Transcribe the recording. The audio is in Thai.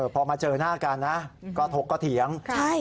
พอมาเจอหน้ากันนะก็ถกก็เถียง